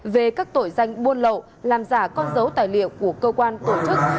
về các tội danh buôn lậu làm giả con dấu tài liệu của cơ quan tổ chức